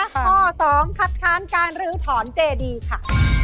ข้อ๒คัดค้านการลื้อถอนเจดีค่ะ